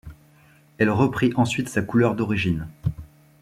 Elle reprit ensuite sa couleur d'origine.